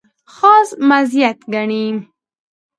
خاص مزیت ګڼي.